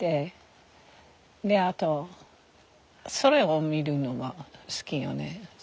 であと空を見るのが好きよね。